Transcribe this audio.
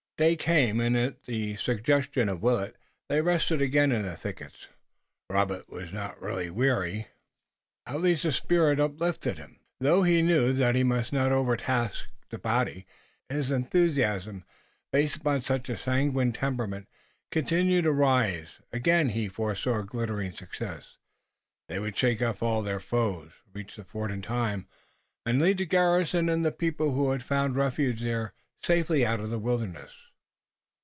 Day came, and at the suggestion of Willet they rested again in the thickets. Robert was not really weary, at least the spirit uplifted him, though he knew that he must not overtask the body. His enthusiasm, based upon such a sanguine temperament, continued to rise. Again he foresaw glittering success. They would shake off all their foes, reach the fort in time, and lead the garrison and the people who had found refuge there safely out of the wilderness.